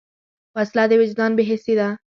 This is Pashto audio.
وسله د وجدان بېحسي ده